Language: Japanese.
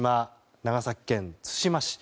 長崎県対馬市。